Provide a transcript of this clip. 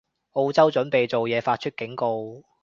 澳洲準備做嘢，發出警告